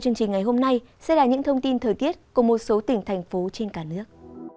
chương trình ngày hôm nay sẽ là những thông tin thời tiết của một số tỉnh thành phố trên cả nước